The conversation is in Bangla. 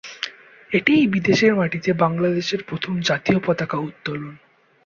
এটিই বিদেশের মাটিতে বাংলাদেশের প্রথম জাতীয় পতাকা উত্তোলন।